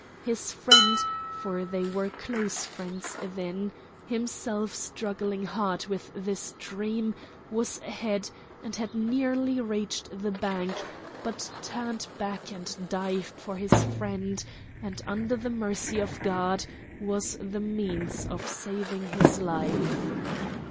His friend for they were close friends then himself struggling hard with the stream, was ahead, and had nearly reached the bank, but turned back and dived for his friend, and under the mercy of God was the means of saving his life."